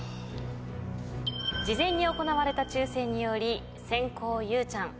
事前に行われた抽選により先攻ゆうちゃん